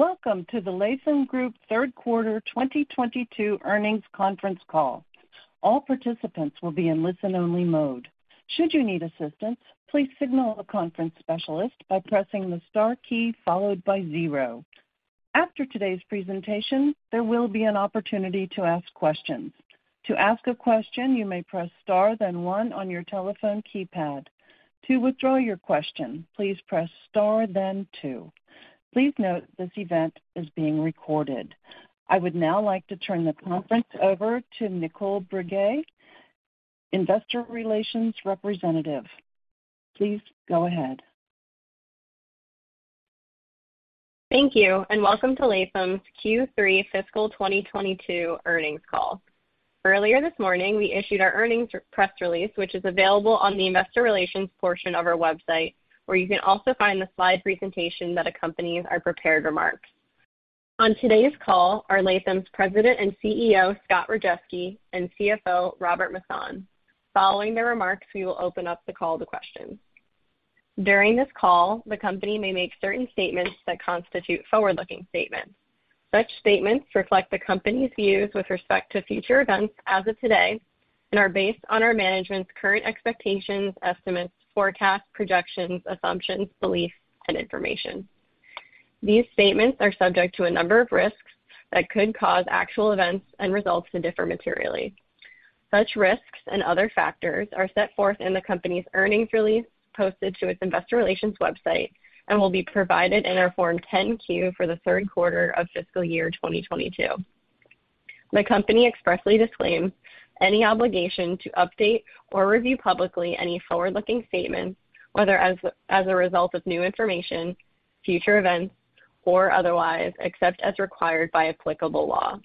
Welcome to the Latham Group third quarter 2022 earnings conference call. All participants will be in listen-only mode. Should you need assistance, please signal the conference specialist by pressing the star key followed by zero. After today's presentation, there will be an opportunity to ask questions. To ask a question, you may press star then one on your telephone keypad. To withdraw your question, please press star then two. Please note this event is being recorded. I would now like to turn the conference over to Nicole Briguet, Investor Relations representative. Please go ahead. Thank you, and welcome to Latham's Q3 fiscal 2022 earnings call. Earlier this morning, we issued our earnings press release, which is available on the investor relations portion of our website, where you can also find the slide presentation that accompanies our prepared remarks. On today's call are Latham's President and CEO, Scott Rajeski, and CFO, Robert Masson. Following their remarks, we will open up the call to questions. During this call, the company may make certain statements that constitute forward-looking statements. Such statements reflect the company's views with respect to future events as of today and are based on our management's current expectations, estimates, forecasts, projections, assumptions, beliefs, and information. These statements are subject to a number of risks that could cause actual events and results to differ materially. Such risks and other factors are set forth in the company's earnings release posted to its investor relations website and will be provided in our Form 10-Q for the third quarter of fiscal year 2022. The company expressly disclaims any obligation to update or review publicly any forward-looking statements, whether as a result of new information, future events, or otherwise, except as required by applicable law.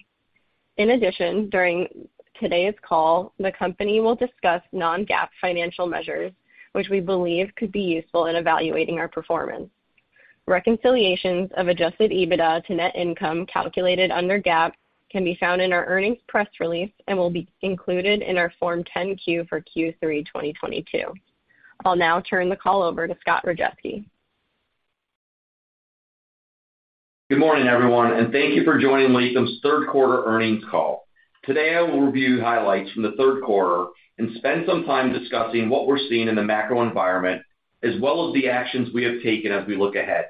In addition, during today's call, the company will discuss non-GAAP financial measures, which we believe could be useful in evaluating our performance. Reconciliations of adjusted EBITDA to net income calculated under GAAP can be found in our earnings press release and will be included in our Form 10-Q for Q3 2022. I'll now turn the call over to Scott Rajeski. Good morning, everyone, and thank you for joining Latham's third quarter earnings call. Today, I will review highlights from the third quarter and spend some time discussing what we're seeing in the macro environment, as well as the actions we have taken as we look ahead.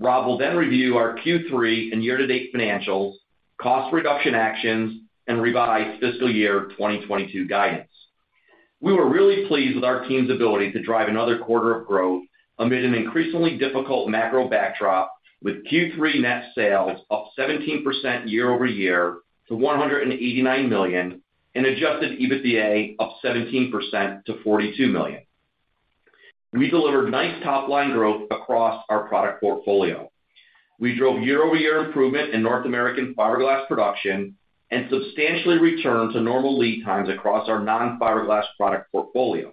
Rob will then review our Q3 and year-to-date financials, cost reduction actions, and revised fiscal year 2022 guidance. We were really pleased with our team's ability to drive another quarter of growth amid an increasingly difficult macro backdrop with Q3 net sales up 17% year-over-year to $189 million and adjusted EBITDA up 17% to $42 million. We delivered nice top line growth across our product portfolio. We drove year-over-year improvement in North American fiberglass production and substantially returned to normal lead times across our non-fiberglass product portfolio.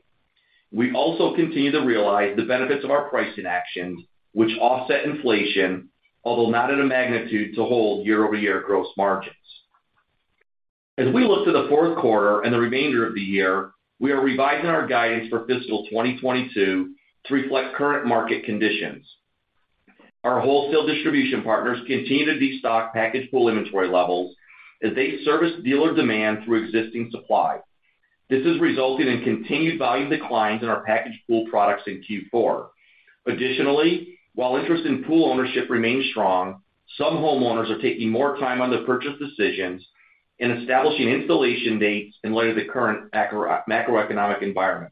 We also continue to realize the benefits of our pricing actions which offset inflation, although not at a magnitude to hold year-over-year gross margins. As we look to the fourth quarter and the remainder of the year, we are revising our guidance for fiscal 2022 to reflect current market conditions. Our wholesale distribution partners continue to destock packaged pool inventory levels as they service dealer demand through existing supply. This has resulted in continued volume declines in our packaged pool products in Q4. Additionally, while interest in pool ownership remains strong, some homeowners are taking more time on their purchase decisions and establishing installation dates in light of the current macroeconomic environment.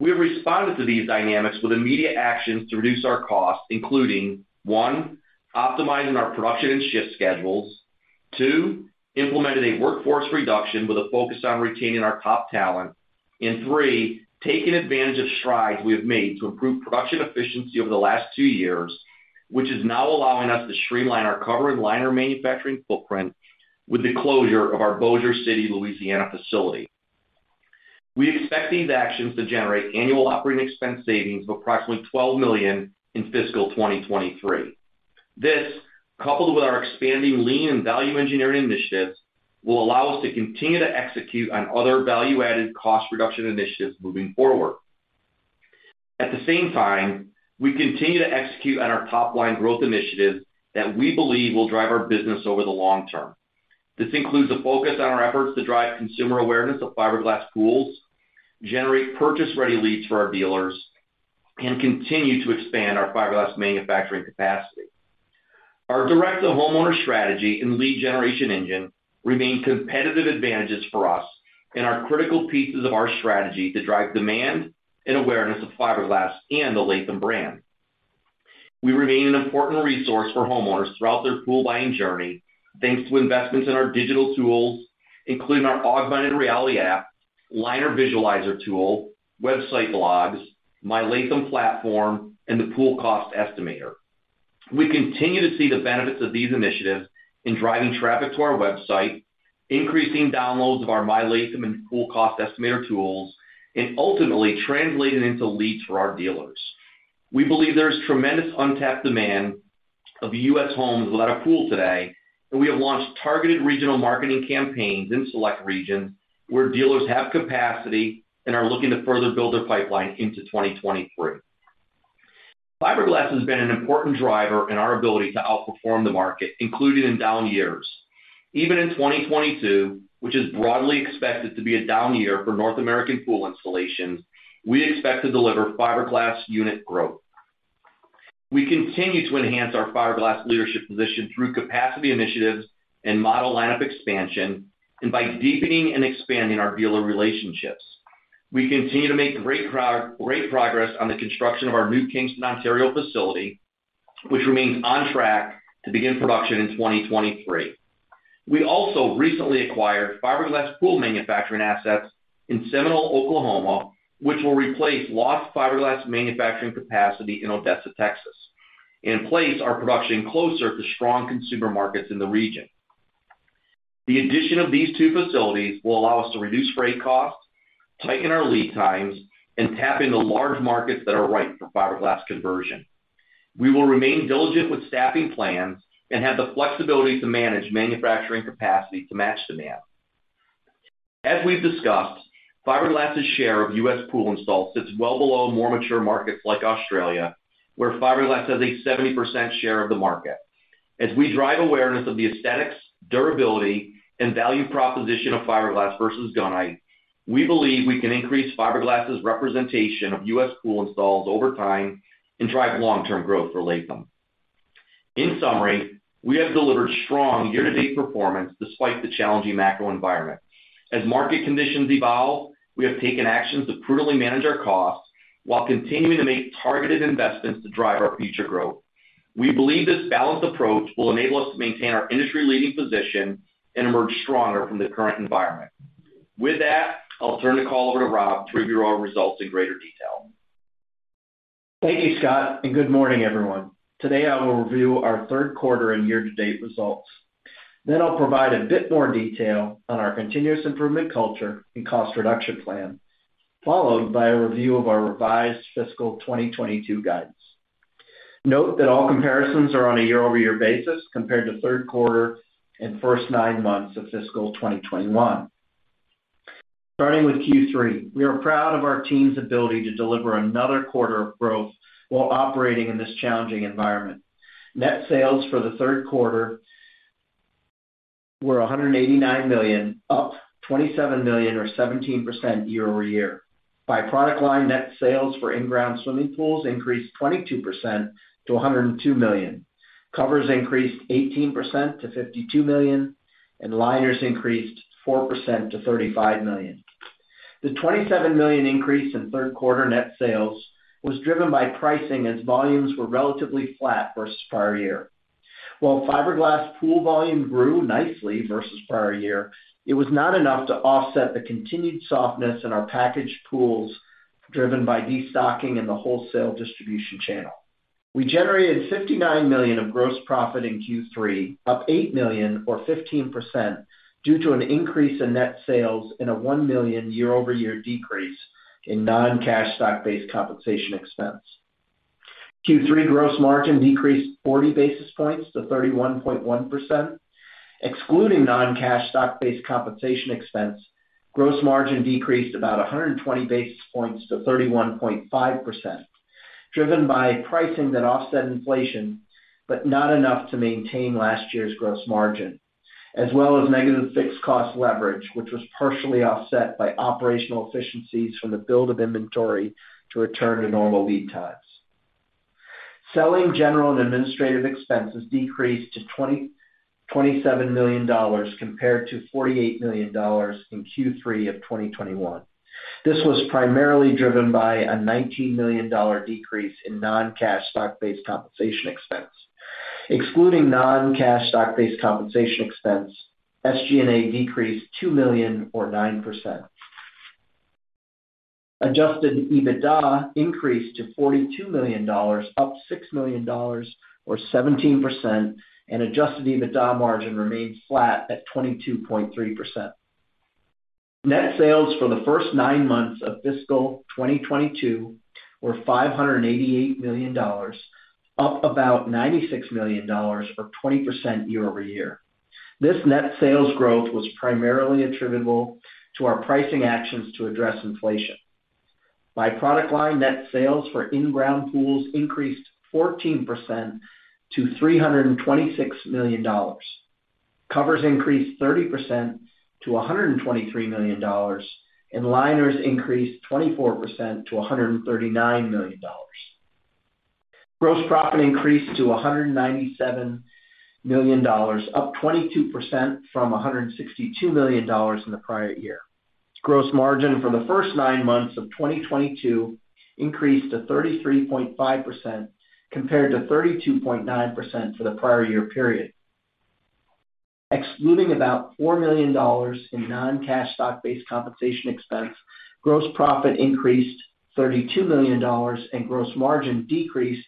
We have responded to these dynamics with immediate actions to reduce our costs, including, one, optimizing our production and shift schedules, two, implementing a workforce reduction with a focus on retaining our top talent, and three, taking advantage of strides we have made to improve production efficiency over the last two years, which is now allowing us to streamline our cover and liner manufacturing footprint with the closure of our Bossier City, Louisiana facility. We expect these actions to generate annual operating expense savings of approximately $12 million in fiscal 2023. This, coupled with our expanding lean and value engineering initiatives, will allow us to continue to execute on other value-added cost reduction initiatives moving forward. At the same time, we continue to execute on our top-line growth initiatives that we believe will drive our business over the long term. This includes a focus on our efforts to drive consumer awareness of Fiberglass Pools, generate purchase-ready leads for our dealers, and continue to expand our fiberglass manufacturing capacity. Our direct-to-homeowner strategy and lead generation engine remain competitive advantages for us and are critical pieces of our strategy to drive demand and awareness of fiberglass and the Latham brand. We remain an important resource for homeowners throughout their pool buying journey, thanks to investments in our digital tools, including our Augmented Reality app, Liner Visualizer tool, website blogs, MyLatham platform, and the Pool Cost Estimator. We continue to see the benefits of these initiatives in driving traffic to our website, increasing downloads of our MyLatham and Pool Cost Estimator tools, and ultimately translating into leads for our dealers. We believe there is tremendous untapped demand of U.S. homes without a pool today, and we have launched targeted regional marketing campaigns in select regions where dealers have capacity and are looking to further build their pipeline into 2023. Fiberglass has been an important driver in our ability to outperform the market, including in down years. Even in 2022, which is broadly expected to be a down year for North American pool installations, we expect to deliver fiberglass unit growth. We continue to enhance our fiberglass leadership position through capacity initiatives and model lineup expansion, and by deepening and expanding our dealer relationships. We continue to make great progress on the construction of our new Kingston, Ontario facility, which remains on track to begin production in 2023. We also recently acquired fiberglass pool manufacturing assets in Seminole, Oklahoma, which will replace lost fiberglass manufacturing capacity in Odessa, Texas, and place our production closer to strong consumer markets in the region. The addition of these two facilities will allow us to reduce freight costs, tighten our lead times, and tap into large markets that are ripe for fiberglass conversion. We will remain diligent with staffing plans and have the flexibility to manage manufacturing capacity to match demand. As we've discussed, fiberglass's share of U.S. pool installs sits well below more mature markets like Australia, where fiberglass has a 70% share of the market. As we drive awareness of the aesthetics, durability, and value proposition of fiberglass versus gunite, we believe we can increase fiberglass's representation of U.S. pool installs over time and drive long-term growth for Latham. In summary, we have delivered strong year-to-date performance despite the challenging macro environment. As market conditions evolve, we have taken actions to prudently manage our costs while continuing to make targeted investments to drive our future growth. We believe this balanced approach will enable us to maintain our industry-leading position and emerge stronger from the current environment. With that, I'll turn the call over to Rob to review our results in greater detail. Thank you, Scott, and good morning, everyone. Today, I will review our third quarter and year-to-date results. I'll provide a bit more detail on our continuous improvement culture and cost reduction plan, followed by a review of our revised fiscal 2022 guidance. Note that all comparisons are on a year-over-year basis compared to third quarter and first nine months of fiscal 2021. Starting with Q3, we are proud of our team's ability to deliver another quarter of growth while operating in this challenging environment. Net sales for the third quarter were $189 million, up $27 million or 17% year-over-year. By product line, net sales for in-ground swimming pools increased 22% to $102 million. Covers increased 18% to $52 million, and liners increased 4% to $35 million. The $27 million increase in third quarter net sales was driven by pricing as volumes were relatively flat versus prior year. While Fiberglass Pool volume grew nicely versus prior year, it was not enough to offset the continued softness in our packaged pools, driven by de-stocking in the wholesale distribution channel. We generated $59 million of gross profit in Q3, up $8 million or 15% due to an increase in net sales and a $1 million year-over-year decrease in non-cash stock-based compensation expense. Q3 gross margin decreased 40 basis points to 31.1%. Excluding non-cash stock-based compensation expense, gross margin decreased about 120 basis points to 31.5%, driven by pricing that offset inflation, but not enough to maintain last year's gross margin, as well as negative fixed cost leverage, which was partially offset by operational efficiencies from the build of inventory to return to normal lead times. Selling, general, and administrative expenses decreased to $27 million compared to $48 million in Q3 of 2021. This was primarily driven by a $19 million decrease in non-cash stock-based compensation expense. Excluding non-cash stock-based compensation expense, SG&A decreased $2 million or 9%. Adjusted EBITDA increased to $42 million, up $6 million or 17%, and adjusted EBITDA margin remains flat at 22.3%. Net sales for the first 9 months of fiscal 2022 were $588 million, up about $96 million or 20% year-over-year. This net sales growth was primarily attributable to our pricing actions to address inflation. By product line, net sales for in-ground pools increased 14% to $326 million. Covers increased 30% to $123 million, and liners increased 24% to $139 million. Gross profit increased to $197 million, up 22% from $162 million in the prior year. Gross margin for the first 9 months of 2022 increased to 33.5% compared to 32.9% for the prior year period. Excluding about $4 million in non-cash stock-based compensation expense, gross profit increased $32 million and gross margin decreased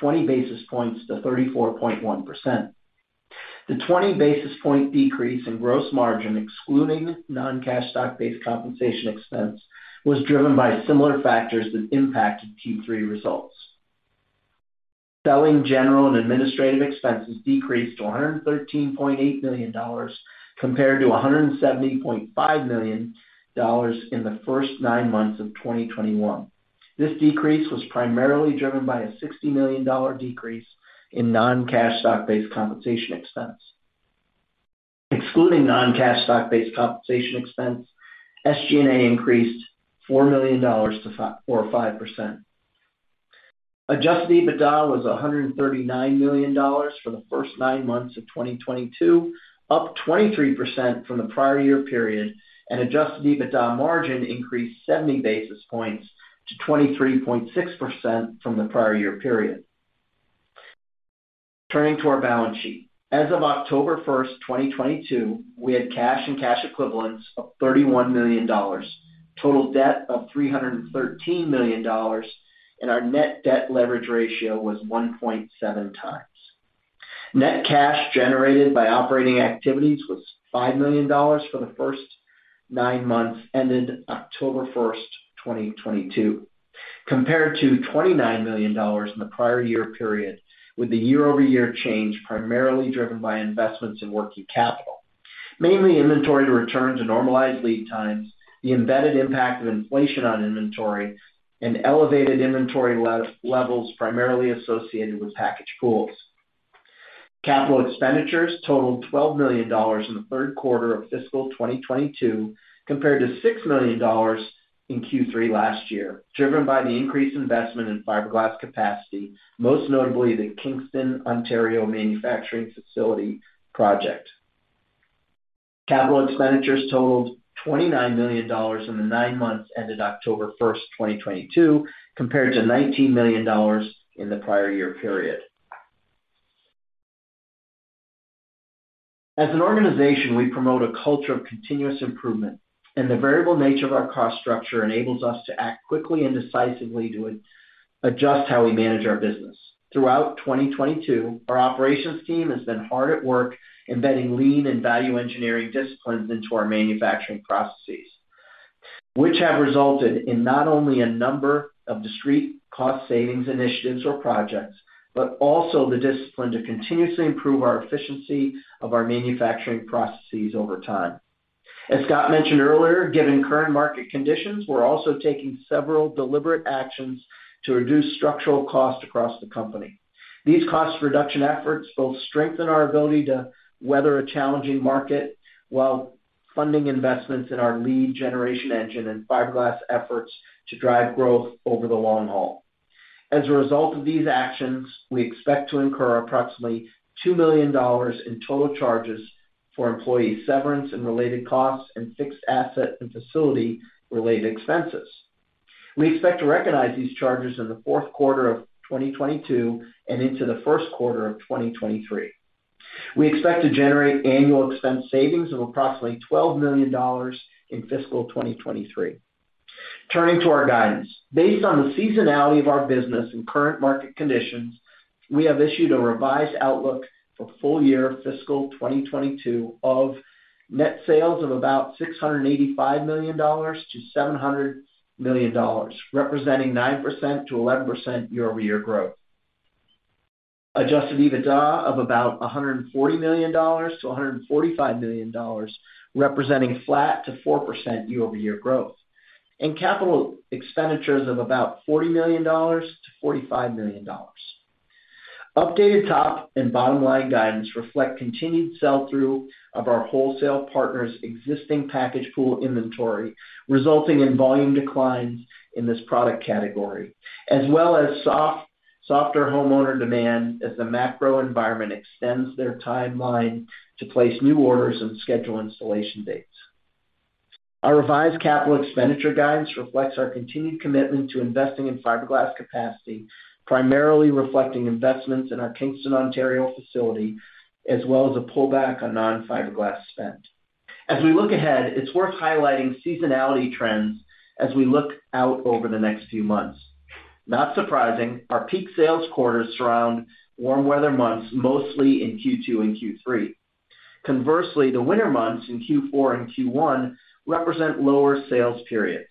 20 basis points to 34.1%. The 20 basis point decrease in gross margin, excluding non-cash stock-based compensation expense, was driven by similar factors that impacted Q3 results. Selling, general, and administrative expenses decreased to $113.8 million compared to $170.5 million in the first nine months of 2021. This decrease was primarily driven by a $60 million decrease in non-cash stock-based compensation expense. Excluding non-cash stock-based compensation expense, SG&A increased $4 million to 55%. Adjusted EBITDA was $139 million for the first nine months of 2022, up 23% from the prior year period, and adjusted EBITDA margin increased 70 basis points to 23.6% from the prior year period. Turning to our balance sheet. As of October 1, 2022, we had cash and cash equivalents of $31 million, total debt of $313 million, and our net debt leverage ratio was 1.7 times. Net cash generated by operating activities was $5 million for the first nine months ended October 1, 2022, compared to $29 million in the prior year period, with the year-over-year change primarily driven by investments in working capital, mainly inventory to return to normalized lead times, the embedded impact of inflation on inventory, and elevated inventory levels, primarily associated with package pools. Capital expenditures totaled $12 million in the third quarter of fiscal 2022, compared to $6 million in Q3 last year, driven by the increased investment in fiberglass capacity, most notably the Kingston, Ontario manufacturing facility project. Capital expenditures totaled $29 million in the nine months ended October 1, 2022, compared to $19 million in the prior year period. As an organization, we promote a culture of continuous improvement, and the variable nature of our cost structure enables us to act quickly and decisively to adjust how we manage our business. Throughout 2022, our operations team has been hard at work embedding lean and value engineering disciplines into our manufacturing processes, which have resulted in not only a number of discrete cost savings initiatives or projects, but also the discipline to continuously improve our efficiency of our manufacturing processes over time. As Scott mentioned earlier, given current market conditions, we're also taking several deliberate actions to reduce structural cost across the company. These cost reduction efforts both strengthen our ability to weather a challenging market while funding investments in our lead generation engine and fiberglass efforts to drive growth over the long haul. As a result of these actions, we expect to incur approximately $2 million in total charges for employee severance and related costs and fixed asset and facility-related expenses. We expect to recognize these charges in the fourth quarter of 2022 and into the first quarter of 2023. We expect to generate annual expense savings of approximately $12 million in fiscal 2023. Turning to our guidance. Based on the seasonality of our business and current market conditions, we have issued a revised outlook for full year fiscal 2022 of net sales of about $685 million-$700 million, representing 9%-11% year-over-year growth. Adjusted EBITDA of about $140 million-$145 million, representing flat to 4% year-over-year growth. Capital expenditures of about $40 million-$45 million. Updated top and bottom line guidance reflect continued sell-through of our wholesale partners existing package pool inventory, resulting in volume declines in this product category, as well as softer homeowner demand as the macro environment extends their timeline to place new orders and schedule installation dates. Our revised capital expenditure guidance reflects our continued commitment to investing in fiberglass capacity, primarily reflecting investments in our Kingston, Ontario facility, as well as a pullback on non-fiberglass spend. As we look ahead, it's worth highlighting seasonality trends as we look out over the next few months. Not surprising, our peak sales quarters surround warm weather months, mostly in Q2 and Q3. Conversely, the winter months in Q4 and Q1 represent lower sales periods.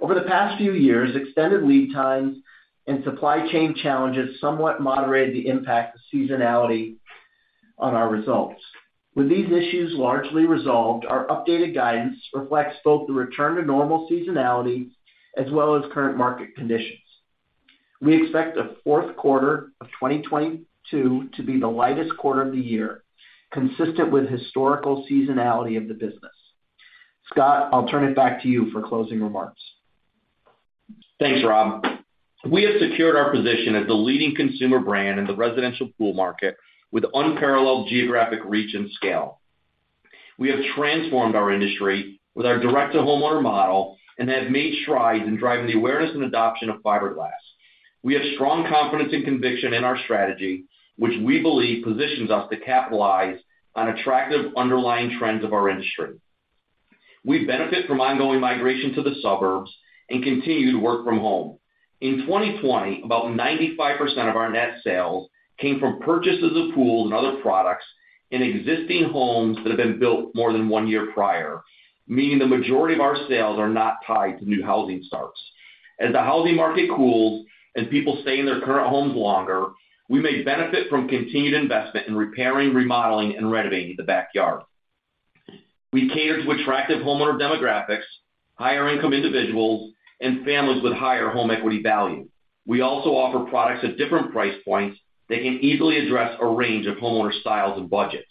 Over the past few years, extended lead time and supply chain challenges somewhat moderated the impact of seasonality on our results. With these issues largely resolved, our updated guidance reflects both the return to normal seasonality as well as current market conditions. We expect the fourth quarter of 2022 to be the lightest quarter of the year, consistent with historical seasonality of the business. Scott, I'll turn it back to you for closing remarks. Thanks, Rob. We have secured our position as the leading consumer brand in the residential pool market with unparalleled geographic reach and scale. We have transformed our industry with our direct-to-homeowner model and have made strides in driving the awareness and adoption of fiberglass. We have strong confidence and conviction in our strategy, which we believe positions us to capitalize on attractive underlying trends of our industry. We benefit from ongoing migration to the suburbs and continue to work from home. In 2020, about 95% of our net sales came from purchases of pools and other products in existing homes that have been built more than one year prior, meaning the majority of our sales are not tied to new housing starts. As the housing market cools and people stay in their current homes longer, we may benefit from continued investment in repairing, remodeling, and renovating the backyard. We cater to attractive homeowner demographics, higher income individuals, and families with higher home equity value. We also offer products at different price points that can easily address a range of homeowner styles and budgets.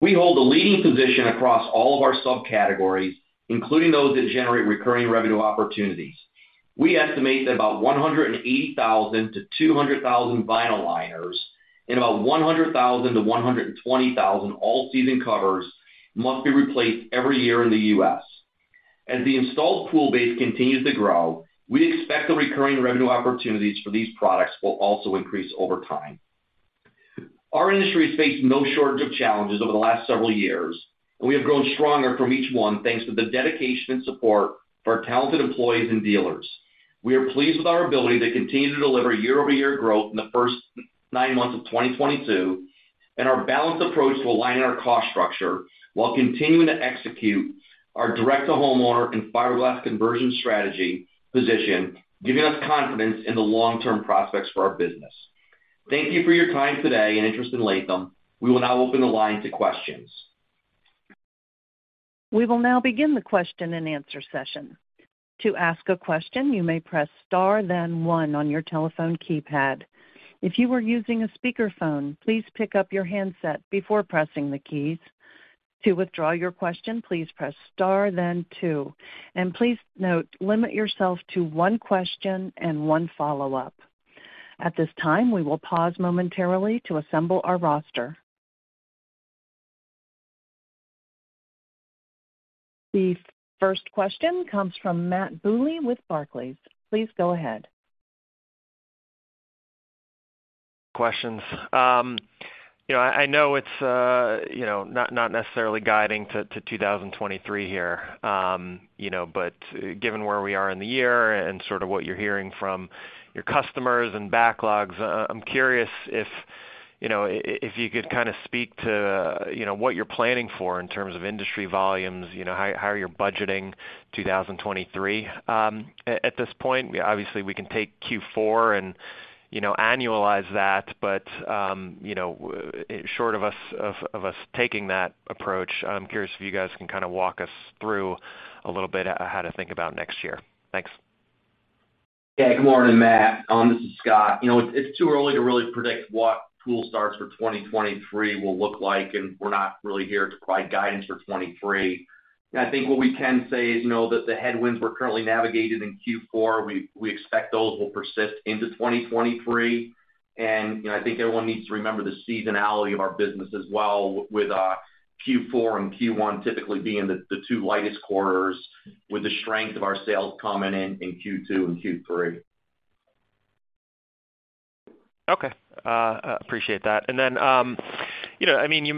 We hold a leading position across all of our subcategories, including those that generate recurring revenue opportunities. We estimate that about 180,000-200,000 vinyl liners and about 100,000-120,000 all-season covers must be replaced every year in the U.S. As the installed pool base continues to grow, we expect the recurring revenue opportunities for these products will also increase over time. Our industry has faced no shortage of challenges over the last several years, and we have grown stronger from each one, thanks to the dedication and support of our talented employees and dealers. We are pleased with our ability to continue to deliver year-over-year growth in the first nine months of 2022, and our balanced approach to aligning our cost structure while continuing to execute our direct-to-homeowner and fiberglass conversion strategy position, giving us confidence in the long-term prospects for our business. Thank you for your time today and interest in Latham. We will now open the line to questions. We will now begin the question-and-answer session. To ask a question, you may press star then one on your telephone keypad. If you are using a speakerphone, please pick up your handset before pressing the keys. To withdraw your question, please press star then two. Please note, limit yourself to one question and one follow-up. At this time, we will pause momentarily to assemble our roster. The first question comes from Matthew Bouley with Barclays. Please go ahead. Questions. You know, I know it's, you know, not necessarily guiding to 2023 here. You know, but given where we are in the year and sort of what you're hearing from your customers and backlogs, I'm curious if, you know, if you could kind of speak to, you know, what you're planning for in terms of industry volumes, you know, how you're budgeting 2023 at this point. Obviously, we can take Q4 and, you know, annualize that. You know, short of us taking that approach, I'm curious if you guys can kind of walk us through a little bit of how to think about next year. Thanks. Yeah. Good morning, Matt. This is Scott. You know, it's too early to really predict what pool starts for 2023 will look like, and we're not really here to provide guidance for 2023. You know, I think what we can say is, you know, that the headwinds we're currently navigating in Q4, we expect those will persist into 2023. You know, I think everyone needs to remember the seasonality of our business as well with Q4 and Q1 typically being the two lightest quarters with the strength of our sales coming in in Q2 and Q3. Okay. Appreciate that. You know, I mean,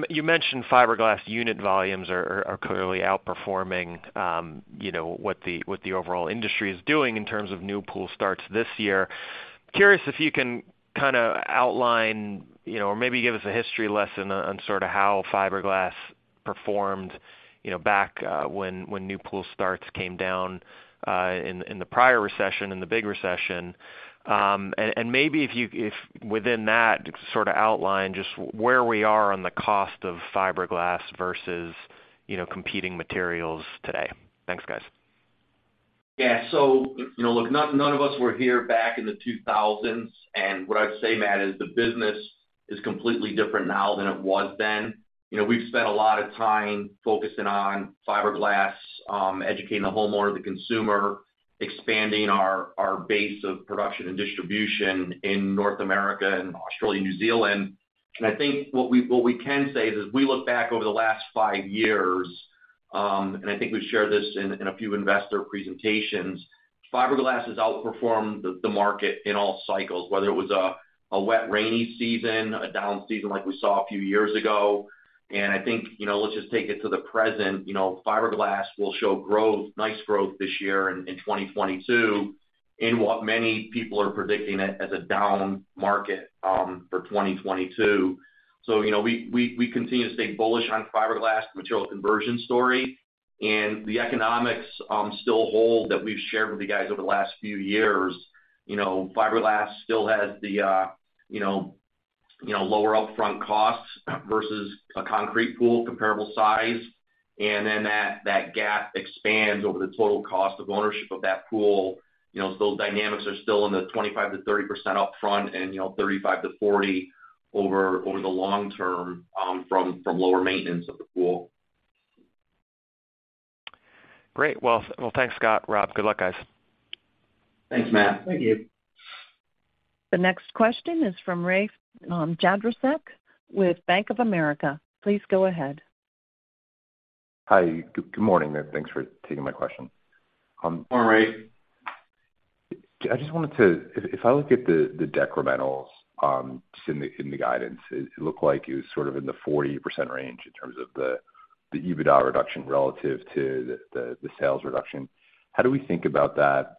you mentioned fiberglass unit volumes are clearly outperforming what the overall industry is doing in terms of new pool starts this year. Curious if you can kind of outline or maybe give us a history lesson on sort of how fiberglass performed back when new pool starts came down in the prior recession, in the big recession. Maybe if within that sort of outline just where we are on the cost of fiberglass versus competing materials today. Thanks, guys. Yeah. You know, look, none of us were here back in the 2000s, and what I'd say, Matt, is the business is completely different now than it was then. You know, we've spent a lot of time focusing on fiberglass, educating the homeowner, the consumer, expanding our base of production and distribution in North America and Australia, New Zealand. I think what we can say is, as we look back over the last five years, and I think we've shared this in a few investor presentations, fiberglass has outperformed the market in all cycles, whether it was a wet rainy season, a down season like we saw a few years ago. I think, you know, let's just take it to the present. You know, fiberglass will show growth, nice growth this year in 2022, and what many people are predicting as a down market for 2022. You know, we continue to stay bullish on fiberglass material conversion story, and the economics still hold that we've shared with you guys over the last few years. You know, fiberglass still has the you know, lower upfront costs versus a concrete pool comparable size, and then that gap expands over the total cost of ownership of that pool. You know, those dynamics are still in the 25%-30% upfront and, you know, 35%-40% over the long term from lower maintenance of the pool. Great. Well, thanks, Scott, Rob. Good luck, guys. Thanks, Matt. Thank you. The next question is from Rafe Jadrosich with Bank of America. Please go ahead. Hi. Good morning. Thanks for taking my question. Good morning, Ray. If I look at the decrementals just in the guidance, it looked like it was sort of in the 40% range in terms of the EBITDA reduction relative to the sales reduction. How do we think about that?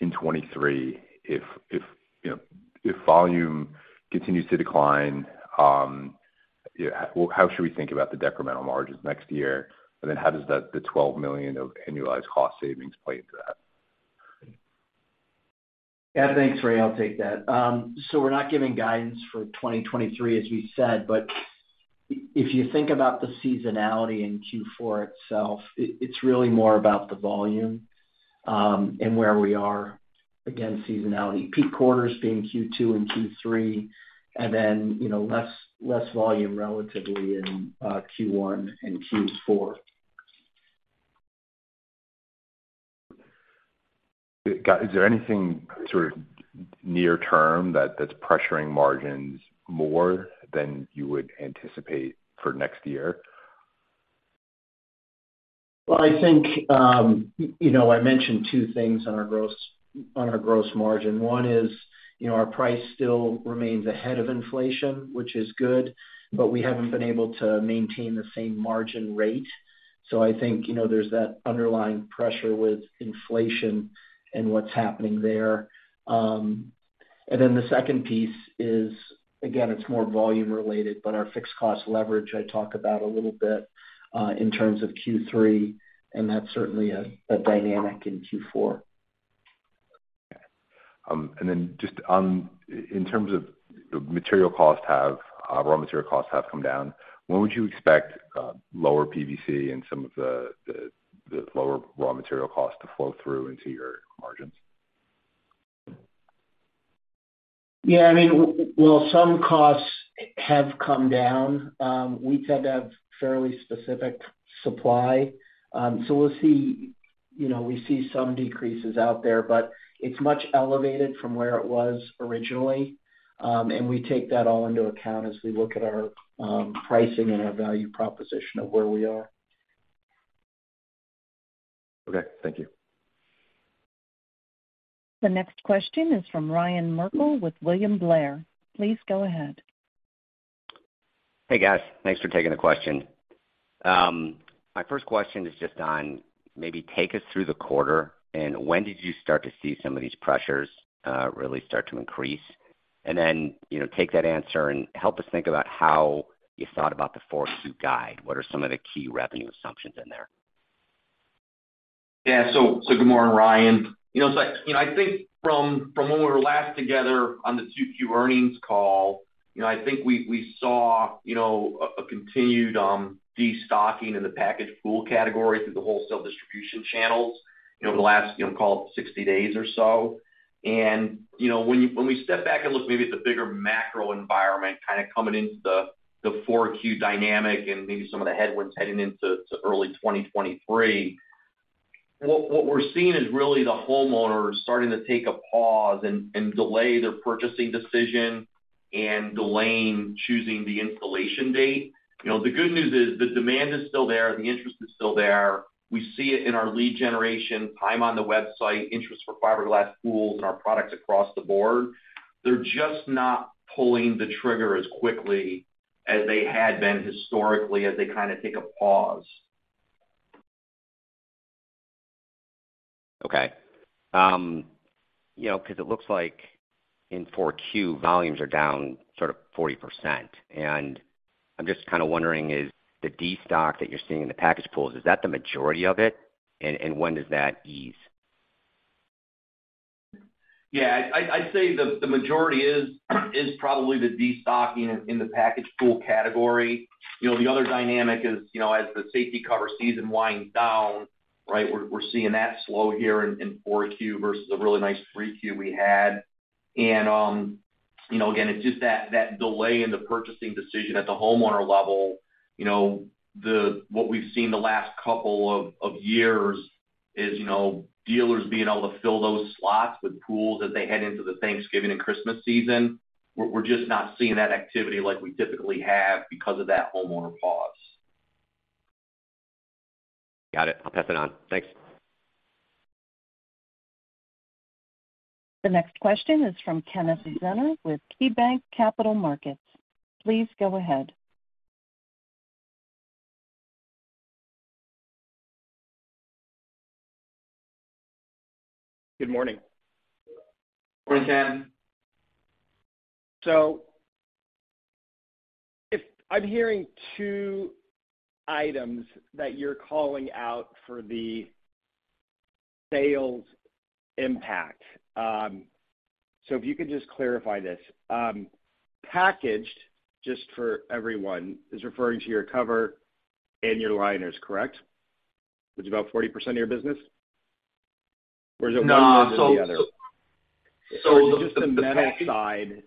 In 2023, if you know, if volume continues to decline, you know, how should we think about the decremental margins next year? How does the $12 million of annualized cost savings play into that? Yeah, thanks, Ray. I'll take that. So we're not giving guidance for 2023, as we said, but if you think about the seasonality in Q4 itself, it's really more about the volume and where we are. Again, seasonality, peak quarters being Q2 and Q3, and then, you know, less volume relatively in Q1 and Q4. Is there anything sort of near term that that's pressuring margins more than you would anticipate for next year? Well, I think, you know, I mentioned two things on our gross margin. One is, you know, our price still remains ahead of inflation, which is good, but we haven't been able to maintain the same margin rate. So I think, you know, there's that underlying pressure with inflation and what's happening there. And then the second piece is, again, it's more volume related, but our fixed cost leverage, I talk about a little bit in terms of Q3, and that's certainly a dynamic in Q4. Just on, in terms of the raw material costs have come down, when would you expect lower PVC and some of the lower raw material costs to flow through into your margins? Yeah, I mean, well, some costs have come down. We tend to have fairly specific supply, so we'll see. You know, we see some decreases out there, but it's much elevated from where it was originally. We take that all into account as we look at our pricing and our value proposition of where we are. Okay, thank you. The next question is from Ryan Merkel with William Blair. Please go ahead. Hey, guys. Thanks for taking the question. My first question is just on maybe take us through the quarter and when did you start to see some of these pressures, really start to increase? You know, take that answer and help us think about how you thought about the Q2 guide. What are some of the key revenue assumptions in there? Yeah. Good morning, Ryan. I think from when we were last together on the 2Q earnings call, I think we saw a continued destocking in the packaged pool category through the wholesale distribution channels over the last, call it 60 days or so. When we step back and look maybe at the bigger macro environment kind of coming into the 4Q dynamic and maybe some of the headwinds heading into early 2023, what we're seeing is really the homeowner starting to take a pause and delay their purchasing decision and delaying choosing the installation date. The good news is the demand is still there, the interest is still there. We see it in our lead generation, time on the website, interest for Fiberglass Pools and our products across the board. They're just not pulling the trigger as quickly as they had been historically as they kind of take a pause. Okay. You know, 'cause it looks like in Q4, volumes are down sort of 40%. I'm just kind of wondering, is the destock that you're seeing in the package pools, is that the majority of it? When does that ease? Yeah. I'd say the majority is probably the destocking in the packaged pool category. You know, the other dynamic is, you know, as the safety cover season winds down, right? We're seeing that slow here in 4Q versus a really nice 3Q we had. You know, again, it's just that delay in the purchasing decision at the homeowner level. You know, what we've seen the last couple of years is, you know, dealers being able to fill those slots with pools as they head into the Thanksgiving and Christmas season. We're just not seeing that activity like we typically have because of that homeowner pause. Got it. I'll pass it on. Thanks. The next question is from Kenneth Zener with KeyBanc Capital Markets. Please go ahead. Good morning. Morning, Ken. If you could just clarify this. Packaged, just for everyone, is referring to your cover and your liners, correct? Which is about 40% of your business? Or is it one- No. -the other? So the, the, the package- Just the metal side?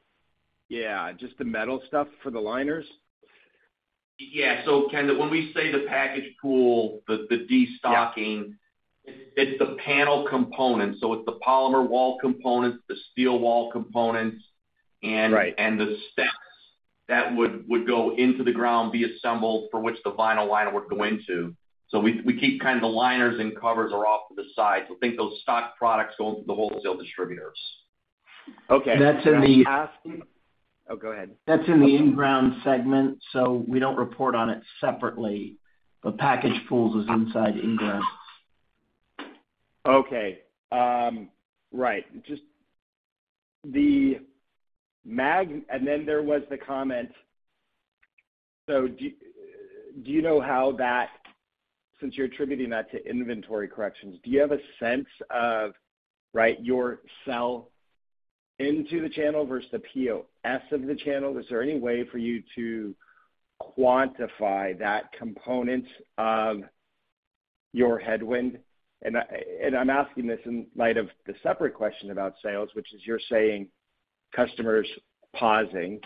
Yeah, just the metal stuff for the liners. Yeah. Kenneth, when we say the packaged pool, the destocking- Yeah -it's the panel components. It's the polymer wall components, the steel wall components, and- Right -the steps that would go into the ground, be assembled for which the vinyl liner would go into. We keep kind of the liners and covers are off to the side. Think those stock products go into the wholesale distributors. That's in the- Oh, go ahead. -that's in the in-ground segment, so we don't report on it separately, but packaged pools is inside in-ground. There was the comment. Since you're attributing that to inventory corrections, do you have a sense of, right, your sell into the channel versus the POS of the channel? Is there any way for you to quantify that component of your headwind? And I'm asking this in light of the separate question about sales, which is you're saying customers pausing,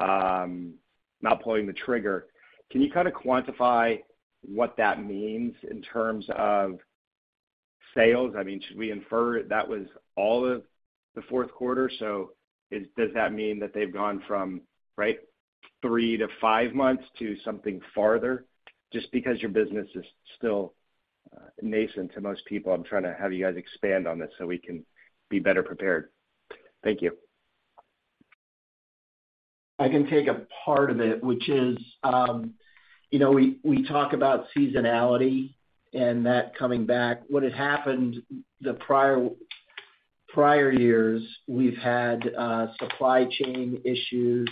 not pulling the trigger. Can you kind of quantify what that means in terms of sales? I mean, should we infer that was all of the fourth quarter? Does that mean that they've gone from, right, 3-5 months to something farther? Just because your business is still nascent to most people, I'm trying to have you guys expand on this so we can be better prepared. Thank you. I can take a part of it, which is, you know, we talk about seasonality and that coming back. What had happened the prior years, we've had supply chain issues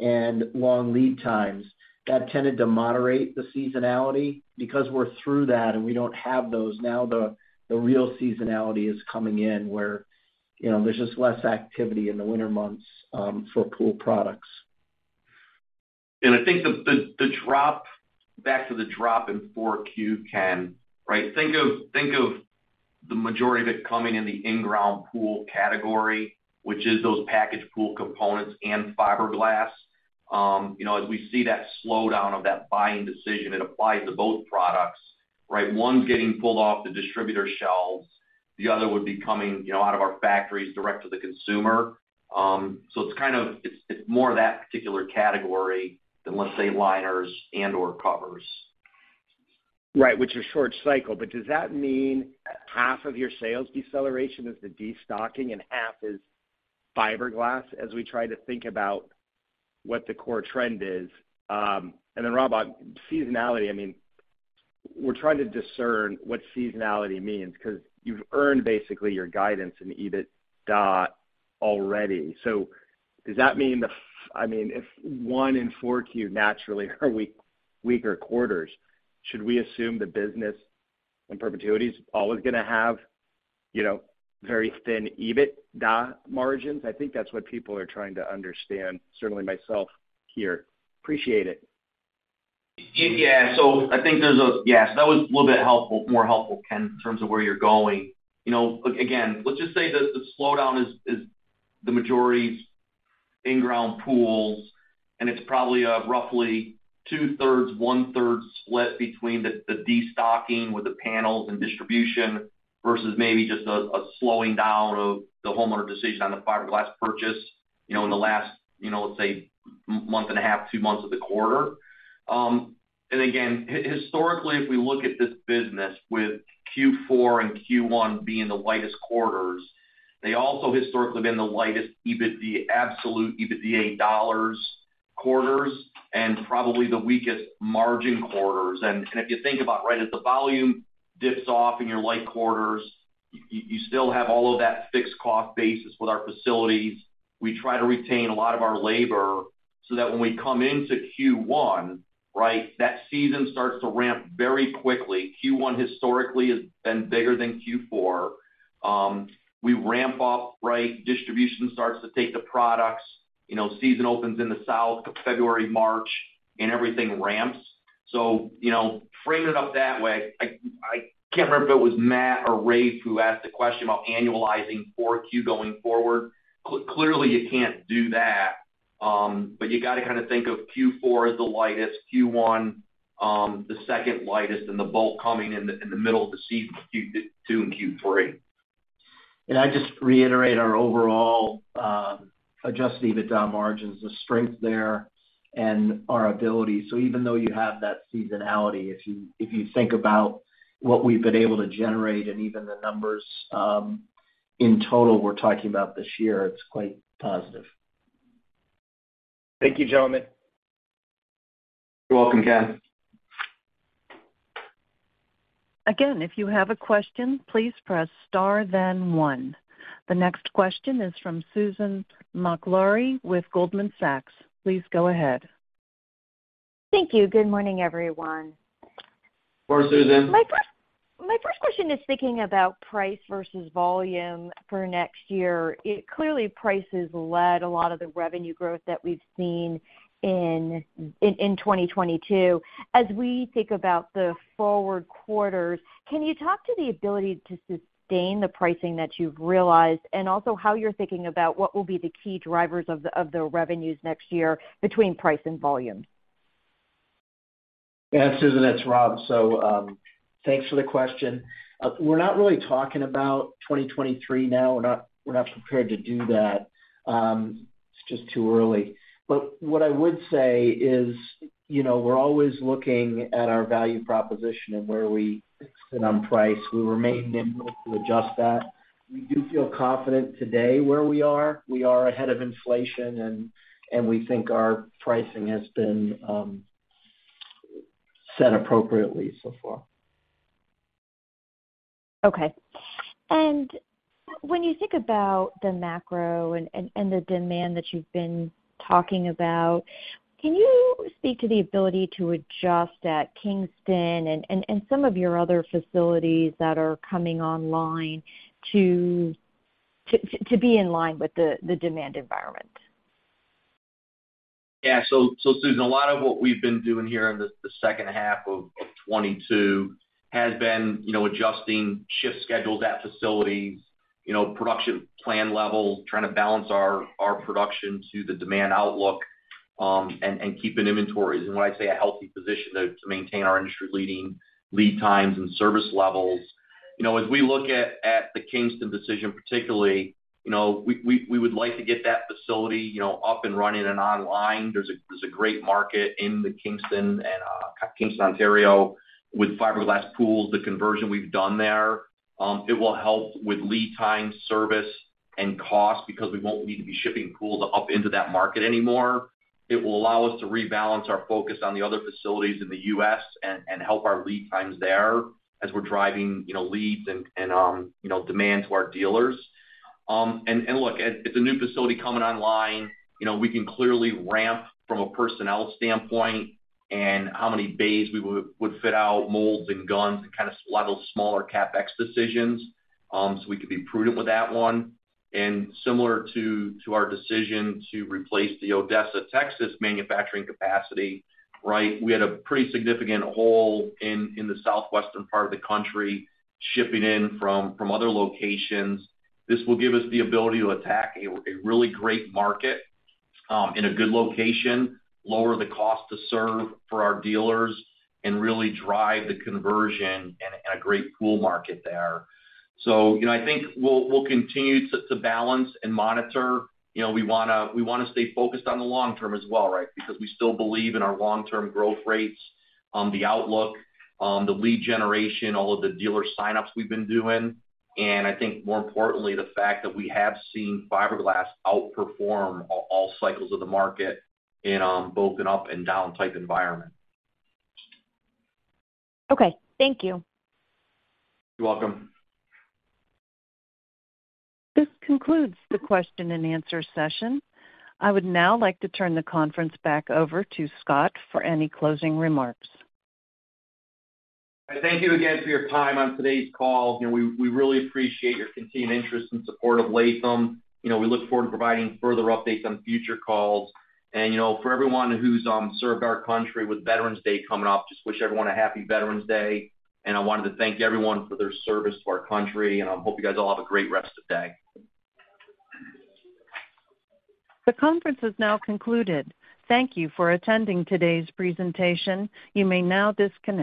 and long lead times. That tended to moderate the seasonality. Because we're through that and we don't have those, now the real seasonality is coming in where, you know, there's just less activity in the winter months for pool products. I think the drop. Back to the drop in Q4, Ken, right? Think of the majority of it coming in the in-ground pool category, which is those packaged pool components and fiberglass. You know, as we see that slowdown of that buying decision, it applies to both products, right? One's getting pulled off the distributor shelves, the other would be coming, you know, out of our factories direct to the consumer. It's kind of more of that particular category than, let's say, liners and/or covers. Right, which are short cycle. Does that mean half of your sales deceleration is the destocking and half is fiberglass as we try to think about what the core trend is? Robert, on seasonality, I mean, we're trying to discern what seasonality means because you've earned basically your guidance in EBITDA already. Does that mean I mean, if one in four Q naturally are weak, weaker quarters, should we assume the business in perpetuity is always gonna have, you know, very thin EBITDA margins? I think that's what people are trying to understand, certainly myself here. Appreciate it. Yeah, that was a little bit helpful, more helpful, Ken, in terms of where you're going. You know, again, let's just say the slowdown is the majority is in-ground pools, and it's probably a roughly 2/3, 1/3 split between the destocking with the panels and distribution versus maybe just a slowing down of the homeowner decision on the fiberglass purchase, you know, in the last, you know, let's say month and a half, two months of the quarter. And again, historically, if we look at this business with Q4 and Q1 being the lightest quarters, they also historically have been the lightest EBITDA, absolute EBITDA dollars quarters and probably the weakest margin quarters. If you think about, right, if the volume dips off in your light quarters, you still have all of that fixed cost basis with our facilities. We try to retain a lot of our labor so that when we come into Q1, right, that season starts to ramp very quickly. Q1 historically has been bigger than Q4. We ramp up, right? Distribution starts to take the products. You know, season opens in the South, February, March, and everything ramps. You know, frame it up that way. I can't remember if it was Matt or Rafe who asked a question about annualizing Q4 going forward. Clearly, you can't do that, but you gotta kinda think of Q4 as the lightest, Q1 the second lightest, and the bulk coming in the middle of the season, Q2 and Q3. I'd just reiterate our overall adjusted EBITDA margins, the strength there and our ability. Even though you have that seasonality, if you think about what we've been able to generate and even the numbers, in total we're talking about this year, it's quite positive. Thank you, gentlemen. You're welcome, Ken. Again, if you have a question, please press star then one. The next question is from Susan Maklari with Goldman Sachs. Please go ahead. Thank you. Good morning, everyone. Morning, Susan. My first question is thinking about price versus volume for next year. Clearly, prices led a lot of the revenue growth that we've seen in 2022. As we think about the forward quarters, can you talk to the ability to sustain the pricing that you've realized and also how you're thinking about what will be the key drivers of the revenues next year between price and volume? Yeah, Susan, it's Rob. Thanks for the question. We're not really talking about 2023 now. We're not prepared to do that. It's just too early. What I would say is, you know, we're always looking at our value proposition and where we sit on price. We remain nimble to adjust that. We do feel confident today where we are. We are ahead of inflation and we think our pricing has been set appropriately so far. Okay. When you think about the macro and the demand that you've been talking about, can you speak to the ability to adjust at Kingston and some of your other facilities that are coming online to be in line with the demand environment? Yeah. Susan, a lot of what we've been doing here in the second half of 2022 has been, you know, adjusting shift schedules at facilities, you know, production plan levels, trying to balance our production to the demand outlook, and keeping inventories in what I'd say a healthy position to maintain our industry-leading lead times and service levels. You know, as we look at the Kingston decision, particularly, you know, we would like to get that facility, you know, up and running and online. There's a great market in the Kingston and Kingston, Ontario with Fiberglass Pools, the conversion we've done there. It will help with lead time service and cost because we won't need to be shipping pools up into that market anymore. It will allow us to rebalance our focus on the other facilities in the U.S. and help our lead times there as we're driving, you know, leads and you know demand to our dealers. Look at the new facility coming online, you know, we can clearly ramp from a personnel standpoint and how many bays we would fit out, molds and guns and kind of level smaller CapEx decisions, so we could be prudent with that one. Similar to our decision to replace the Odessa, Texas manufacturing capacity, right? We had a pretty significant hole in the southwestern part of the country, shipping in from other locations. This will give us the ability to attack a really great market in a good location, lower the cost to serve for our dealers, and really drive the conversion in a great pool market there. I think we'll continue to balance and monitor. You know, we wanna stay focused on the long term as well, right? Because we still believe in our long-term growth rates, the outlook, the lead generation, all of the dealer sign-ups we've been doing. I think more importantly, the fact that we have seen fiberglass outperform all cycles of the market in both an up and down type environment. Okay. Thank you. You're welcome. This concludes the question and answer session. I would now like to turn the conference back over to Scott for any closing remarks. Thank you again for your time on today's call. You know, we really appreciate your continued interest and support of Latham. You know, we look forward to providing further updates on future calls. You know, for everyone who's served our country with Veterans Day coming up, just wish everyone a happy Veterans Day. I wanted to thank everyone for their service to our country, and I hope you guys all have a great rest of the day. The conference has now concluded. Thank you for attending today's presentation. You may now disconnect.